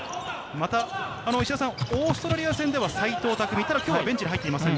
また、オーストラリア戦では齋藤拓実、ただ今日はベンチに入っていません。